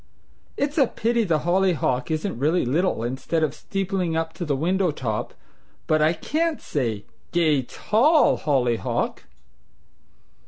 It's a pity the hollyhock isn't really little, instead of steepling up to the window top, but I can't say, 'Gay TALL hollyhock.'...